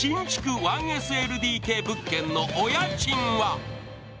１ＳＬＤＫ物件のお家賃は？